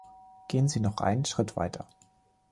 Gehen Sie noch einen Schritt weiter.